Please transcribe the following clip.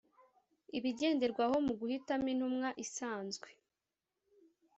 Ibigenderwaho mu guhitamo intumwa isanzwe